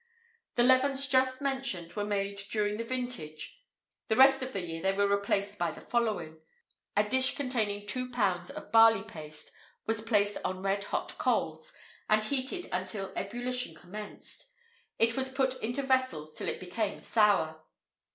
The leavens just mentioned were made during the vintage; the rest of the year they were replaced by the following: A dish containing two pounds of barley paste was placed on red hot coals, and heated until ebulition commenced. It was put into vessels till it became sour.